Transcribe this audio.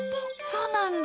そうなんだ！